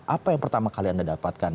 apa yang pertama kali anda dapatkan